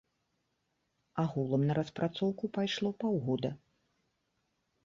Агулам на распрацоўку пайшло паўгода.